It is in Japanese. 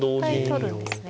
一回取るんですね。